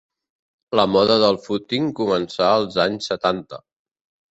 La moda del fúting començà als anys setanta.